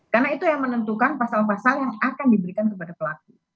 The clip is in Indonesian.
karena itu yang menentukan pasal pasal yang akan diberikan kepada pelaku